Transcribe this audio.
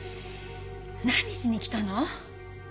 何しに来たの？